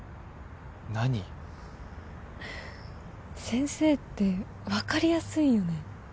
先生って分かりやすいよね。